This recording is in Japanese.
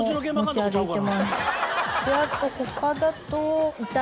あと他だと。